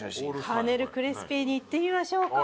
カーネルクリスピーにいってみましょうか。